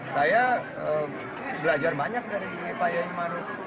saya belajar banyak dari pak kiai maruf